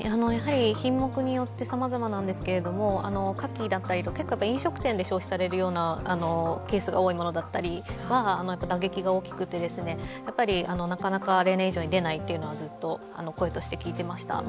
品目によってさまざまなんですけれども、花きだったり飲食店で消費されるようなケースが多いものだったりは打撃が大きくて、例年以上に出ないというのをずっと声として聞いていました。